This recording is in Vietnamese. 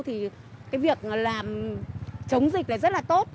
thì việc chống dịch rất là tốt